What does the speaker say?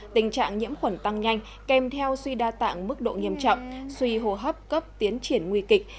tình trạng nhiễm khuẩn tăng nhanh kèm theo suy đa tạng mức độ nghiêm trọng suy hồ hấp cấp tiến triển nguy kịch